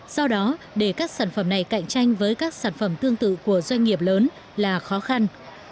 do đó để các sản phẩm này cạnh tranh với các sản phẩm tương tự của doanh nghiệp lớn là khó khăn